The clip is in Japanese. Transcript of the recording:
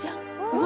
うわ。